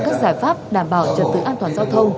các giải pháp đảm bảo trật tự an toàn giao thông